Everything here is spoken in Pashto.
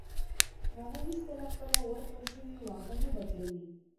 هغه هیڅکله خپله ورکړل شوې وعده نه بدلوي.